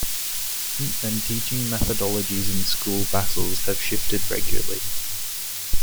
Since then, teaching methodologies in school basals have shifted regularly.